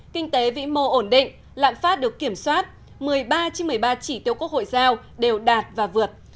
kinh tế vĩ mô ổn định lạm phát được kiểm soát một mươi ba trên một mươi ba chỉ tiêu quốc hội giao đều đạt và vượt